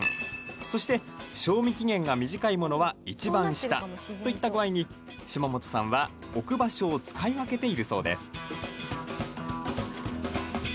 そして賞味期限が短いものはいちばん下といった具合に島本さんは、置く場所を使い分けているそうです。